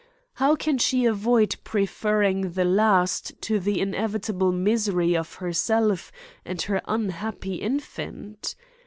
How can she avoid preferring the last to the ine vitable misery of herself and her unhappy infant